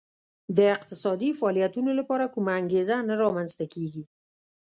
د اقتصادي فعالیتونو لپاره کومه انګېزه نه رامنځته کېږي